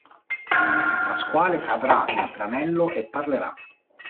Pasquale cadrà nel tranello e parlerà.